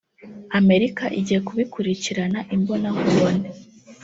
Amerika igiye kubikurikirana imbona nkubone